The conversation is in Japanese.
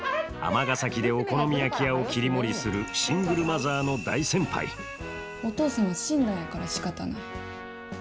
尼崎でお好み焼き屋を切り盛りするシングルマザーの大先輩お父さんは死んだんやからしかたない。